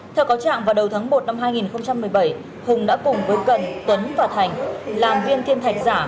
theo cáo trạng vào đầu tháng một năm hai nghìn một mươi bảy hùng đã cùng với cần tuấn và thành làm viên kim thạch giả